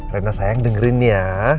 rena sayang dengerin ya